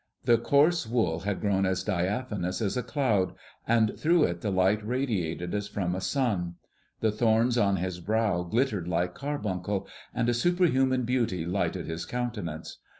The coarse wool had grown as diaphanous as a cloud, and through it the light radiated as from a sun. The thorns on his brow glittered like carbuncles, and a superhuman beauty lighted his countenance.